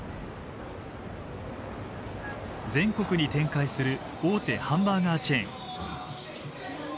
全国に展開する大手ハンバーガーチェーン。